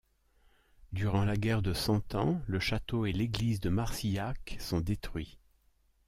Durant la guerre de Cent Ans le château et l'église de Marcillac sont détruits.